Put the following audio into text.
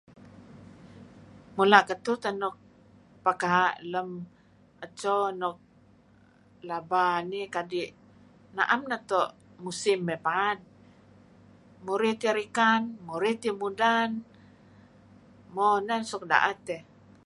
Mula' ketuh teh nuk pekaa' lem edto nuk laba nih kadi' na'em neto' musim dih paad muruh tiyeh rikan murih tiyeh mudan , mo neh suk da'et dih.